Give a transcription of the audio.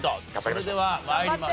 それでは参りましょう。